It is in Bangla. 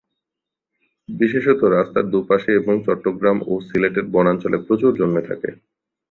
বিশেষত রাস্তার দুপাশে এবং চট্টগ্রাম ও সিলেটের বনাঞ্চলে প্রচুর জন্মে থাকে।